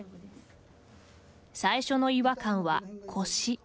最初の違和感は腰。